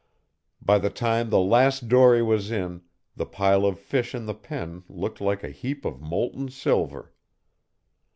By the time the last dory was in, the pile of fish in the pen looked like a heap of molten silver.